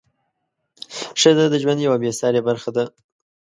ښځه د ژوند یوه بې سارې برخه ده.